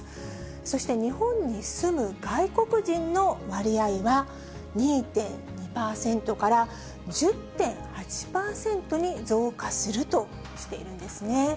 そして日本に住む外国人の割合は、２．２％から１０．８％に増加するとしているんですね。